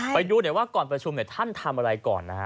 ไปดูหน่อยว่าก่อนประชุมท่านทำอะไรก่อนนะฮะ